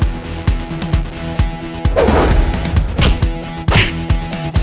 sampai kapanpun gue akan pernah jauhin putri